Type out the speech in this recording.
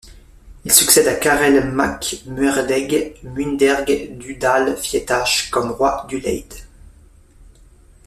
Il succède à Cairell mac Muiredaig Muinderg du Dál Fiatach comme roi d'Ulaid.